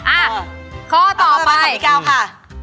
อ่ะข้อต่อไปข้อต่อไปของพี่ก้าวค่ะ